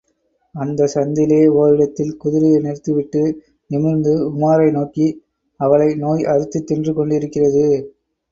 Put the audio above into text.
அந்தச் சந்திலே ஓரிடத்தில் குதிரையை நிறுத்தி விட்டு, நிமிர்ந்து உமாரை நோக்கி, அவளை நோய் அரித்துத் தின்று கொண்டிருக்கிறது.